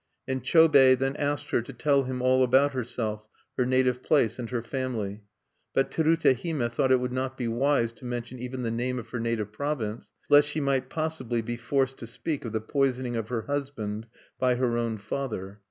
And Chobei then asked her to tell him all about herself, her native place, and her family. But Terute Hime thought it would not be wise to mention even the name of her native province, lest she might possibly be forced to speak of the poisoning of her husband by her own father.